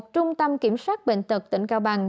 trung tâm kiểm soát bệnh tật tỉnh cao bằng